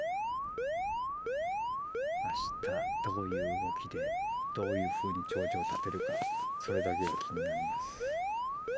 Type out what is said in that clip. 明日どういう動きでどういうふうに頂上立てるかそれだけが気になります。